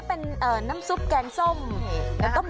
ถ้าเป็นน้ำซุปแกงส้มต้มยำ